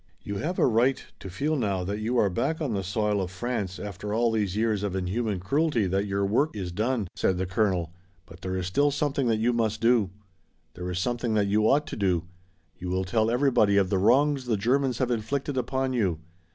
"You have a right to feel now that you are back on the soil of France after all these years of inhuman cruelty that your work is done," said the colonel, "but there is still something that you must do. There is something that you ought to do. You will tell everybody of the wrongs the Germans have inflicted upon you.